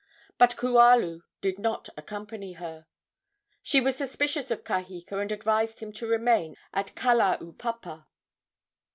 But Kualu did not accompany her. She was suspicious of Kaheka, and advised him to remain at Kalaupapa.